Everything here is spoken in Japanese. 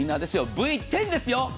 Ｖ１０ですよ。